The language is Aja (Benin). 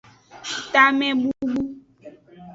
Tamebubu.